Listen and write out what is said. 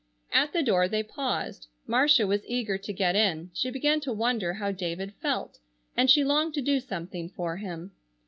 At the door they paused. Marcia was eager to get in. She began to wonder how David felt, and she longed to do something for him.